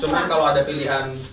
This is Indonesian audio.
cuma kalau ada pilihan